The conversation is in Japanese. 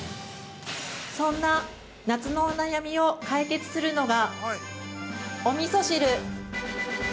◆そんな夏のお悩みを解決するのがおみそ汁！